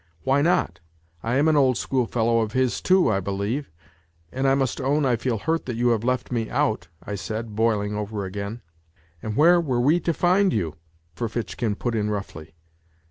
" Why not ? I am an old schoolfellow of his. too, I believe, and I must own I feel hurt that you have left me out," I said, boiling over again. " And where were we to find you ?" Ferfitchkin put in roughly.